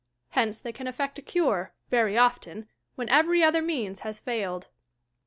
Hence they can effect a cure, very often, when every other means baa failed.